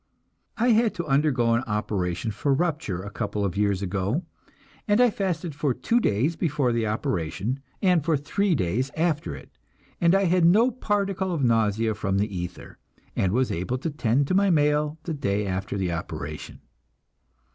I had to undergo an operation for rupture a couple of years ago, and I fasted for two days before the operation, and for three days after it, and I had no particle of nausea from the ether, and was able to tend to my mail the day after the operation.